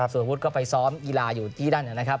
สวพุทธก็ไปซ้อมกีฬาอยู่ที่ด้านนี้นะครับ